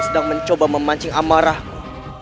sedang mencoba memancing amarahku